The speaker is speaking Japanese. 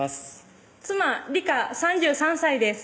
妻・里香３３歳です